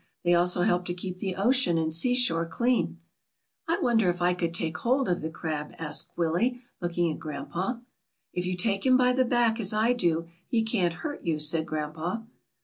"They also help to keep the ocean and seashore clean." "I wonder if I could take hold of the crab," asked Willie, looking at grandpa. "If you take him by the back as I do he can't hurt you," said grandpa.